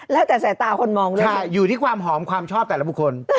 แล้วแต่สายตาคนมองด้วยใช่อยู่ที่ความหอมความชอบแต่ละบุคคล